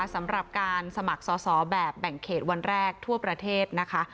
สำหรับการสมัครสอบแบบแบ่งเขตวันแรกทั่วประเทศนะคะ